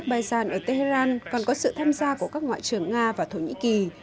bayzan ở tehran còn có sự tham gia của các ngoại trưởng nga và thổ nhĩ kỳ